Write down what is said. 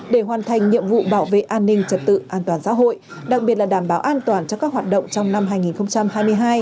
để hoàn thành nhiệm vụ bảo vệ an ninh trật tự an toàn xã hội đặc biệt là đảm bảo an toàn cho các hoạt động trong năm hai nghìn hai mươi hai